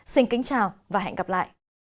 xin kính chào và hẹn gặp lại